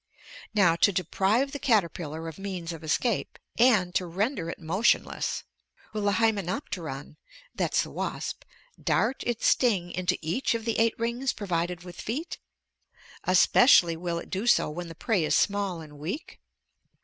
"Now, to deprive the caterpillar of means of escape, and to render it motionless, will the Hymenopteron [that's the wasp] dart its sting into each of the eight rings provided with feet? Especially will it do so when the prey is small and weak?